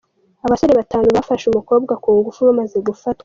Abasore batanu bafashe umukobwa ku ngufu bamaze gufatwa